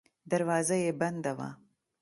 دروازه یې بنده وه.